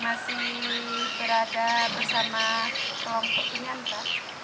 masih berada bersama kelompok penyandra